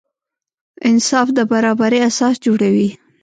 انصاف د برابري اساس جوړوي.